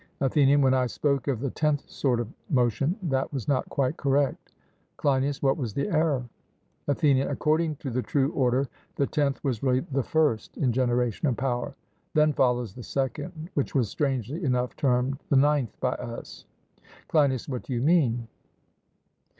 ATHENIAN: When I spoke of the tenth sort of motion, that was not quite correct. CLEINIAS: What was the error? ATHENIAN: According to the true order, the tenth was really the first in generation and power; then follows the second, which was strangely enough termed the ninth by us. CLEINIAS: What do you mean?